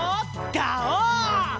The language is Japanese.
ガオー！